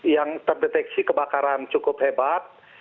yang terdeteksi kebakaran cukup hebat